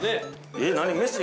◆えっ、何？